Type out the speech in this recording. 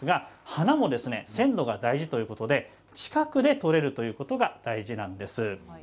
花も鮮度が大事ということで近くでとれるということが大事なんです。